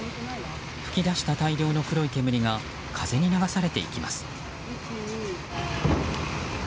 噴き出した大量の黒い煙が風に流されていきます。